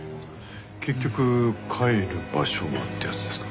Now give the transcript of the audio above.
結局帰る場所はってやつですか？